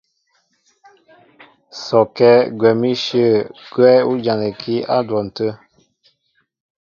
Sɔkɛ́ gwɛ̌n íshyə̂ gwɛ́ ú janɛkí á dwɔn tə̂.